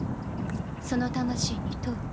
その魂に問う。